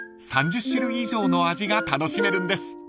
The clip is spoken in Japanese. ［３０種類以上の味が楽しめるんです］